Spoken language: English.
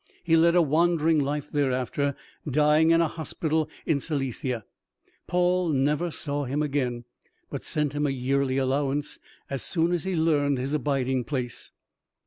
He led a wandering life thereafter, dying in a hospital in Silesia. Paul never saw him again, but sent him a yearly allowance, as soon as he learned his abiding place.